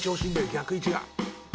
逆位置が。